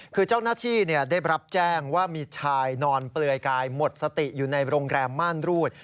คือเจ้าหน้าที่ได้รับแจ้งว่ามีชายนอนเปลือยกายหมดสติอยู่ในโรงแรมม่านรูด